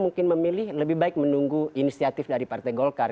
mungkin memilih lebih baik menunggu inisiatif dari partai golkar